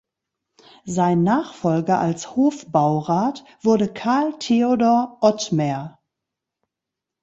Sein Nachfolger als Hofbaurat wurde Carl Theodor Ottmer.